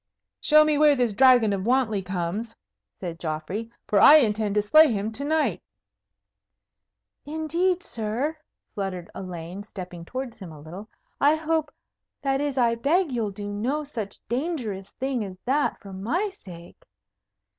"Show me where this Dragon of Wantley comes," said Geoffrey, "for I intend to slay him to night." "Indeed, sir," fluttered Elaine, stepping towards him a little, "I hope that is, I beg you'll do no such dangerous thing as that for my sake."